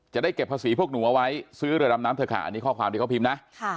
จะได้เก็บภาษีพวกหนูเอาไว้ซื้อเรือดำน้ำเถอะค่ะอันนี้ข้อความที่เขาพิมพ์นะ